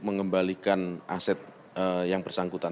mengembalikan aset yang bersangkutan